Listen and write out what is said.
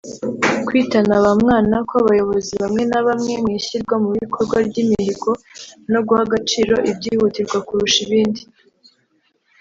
Kwitana bamwana kw’abayobozi bamwe nabamwe mu ishyirwa mubikorwa ry’imihigo no guha agaciro ibyihutirwa kurusha ibindi